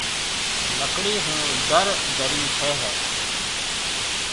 لڪڙِي هون در درِي ٺهيَ هيَ۔